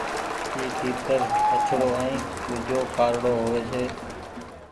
اي تيتر آڇڙو ائين ۮوجھو ڪارڙو هووي ڇي۔